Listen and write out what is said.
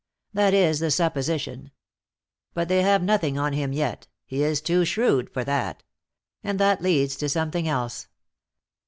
"That is the supposition. But they have nothing on him yet; he is too shrewd for that. And that leads to something else.